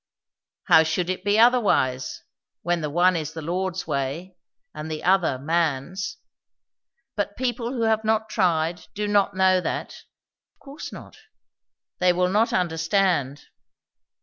"How should it be otherwise, when the one is the Lord's way, and the other man's? But people who have not tried do not know that." "Of course not." "They will not understand."